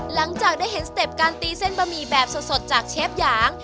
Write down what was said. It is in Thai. หลังจากได้เห็นสเต็ปการตีเส้นบะหมี่แบบสดจากเชฟหยาง